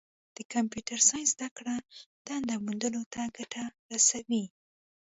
د کمپیوټر ساینس زدهکړه دنده موندلو ته ګټه رسوي.